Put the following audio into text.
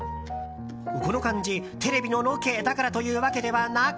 この感じ、テレビのロケだからというわけではなく。